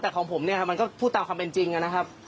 แต่ของผมเนี่ยมันก็พูดตามความเป็นจริงนะครับ